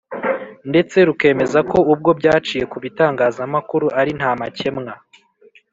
ndetse rukemeza ko ubwo byaciye ku bitangazamakuru ari ntamakemwa,